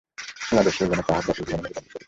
সেই আদর্শই যেন তাহার জাতীয় জীবনের মেরুদণ্ডস্বরূপ।